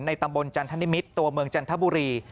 ตำบลจันทนิมิตรตัวเมืองจันทบุรี